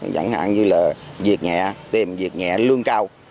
chẳng hạn như là việc nhẹ tìm việc nhẹ lương cao